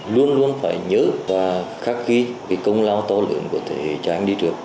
luôn luôn phải nhớ và khắc ghi công lao to lớn của thế hệ trang đi trước